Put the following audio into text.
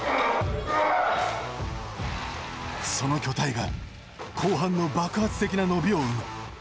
その巨体が後半の爆発的な伸びを生む。